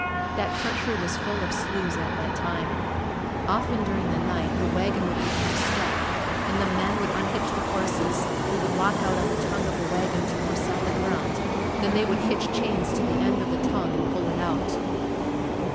That country was full of sloughs at that time. Often during the night, the wagon would become stuck, and the men would unhitch the horses, we would walk out on the tongue of the wagon to more solid ground, then they would hitch chains to the end of the tongue and pull it out.